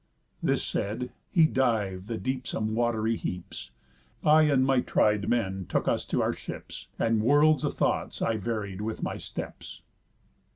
This said; he div'd the deepsome wat'ry heaps; I and my tried men took us to our ships, And worlds of thoughts I varied with my steps.